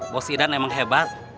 bos idan emang hebat